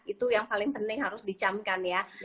itu yang paling penting harus dicamkan ya